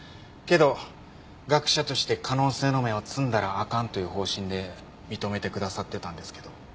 けど学者として可能性の芽を摘んだらあかんという方針で認めてくださってたんですけど。